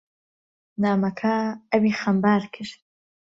نامەکە ئەوی خەمبار کرد.